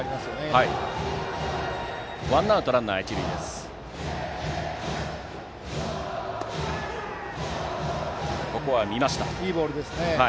今のはいいボールですね。